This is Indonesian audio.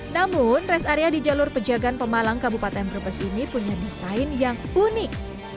namun rest area di jalur pejagaan pemalang kabupaten brebes ini punya desain yang unik